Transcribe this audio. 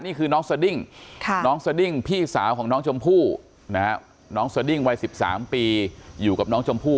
นี่คือน้องสดิ้งน้องสดิ้งพี่สาวของน้องชมพู่น้องสดิ้งวัย๑๓ปีอยู่กับน้องชมพู่